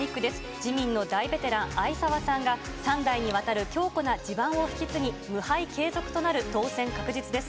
自民の大ベテラン、逢沢さんが３代にわたる強固な地盤を引き継ぎ、無敗継続となる当選確実です。